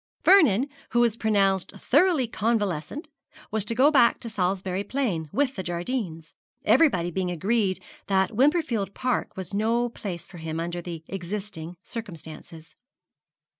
Vernon, who was pronounced thoroughly convalescent, was to go back to Salisbury Plain with the Jardines, everybody being agreed that Wimperfield Park was no place for him under existing circumstances.